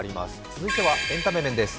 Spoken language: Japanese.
続いてはエンタメ面です。